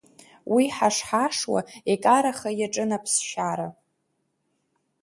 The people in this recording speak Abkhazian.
Уи ҳаш-ҳашуа икараха иаҿын аԥсшьара.